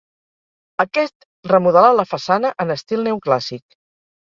Aquest remodelà la façana en estil neoclàssic.